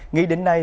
nghị định này